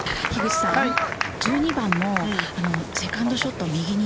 １２番もセカンドショット、右に